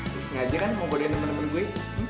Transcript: lu sengaja kan mau godein temen temen gue